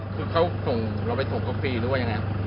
คือเราไปส่งเขาฟรีหรือยังไง